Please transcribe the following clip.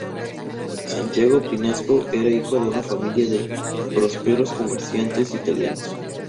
Santiago Pinasco era hijo de una familia de prósperos comerciantes italianos.